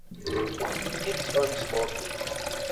He keeps on smoking.